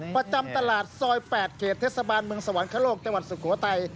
ประจำตลาดซอย๘เขตเทศบาลเมืองสวรรคโลกจังหวัดสุโขทัย